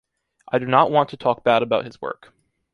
I do not want to talk bad about his work.